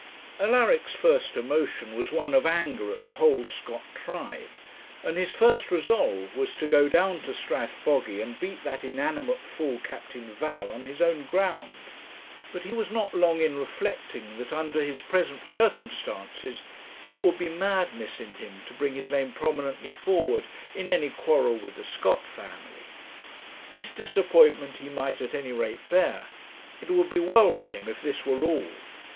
Alaric's first emotion was one of anger at the whole Scott tribe, and his first resolve was to go down to Strathbogy and beat that inanimate fool, Captain Val, on his own ground; but he was not long in reflecting that, under his present circumstances, it would be madness in him to bring his name prominently forward in any quarrel with the Scott family. This disappointment he might at any rate bear; it would be well for him if this were all.